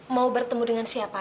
mau bertemu dengan siapa